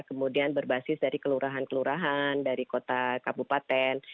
kemudian berbasis dari kelurahan kelurahan dari kota kabupaten